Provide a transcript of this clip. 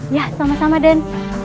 ya sama sama den